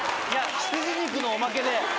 羊肉のおまけで。